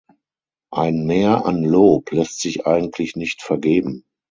Ein Mehr an Lob lässt sich eigentlich nicht vergeben.